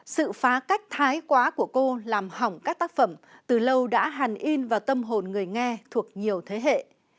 sự phá cách thái quá của cô làm hỏng các tác phẩm từ lâu đã hàn in vào tâm hồn người nghe thuộc nhiều thế hệ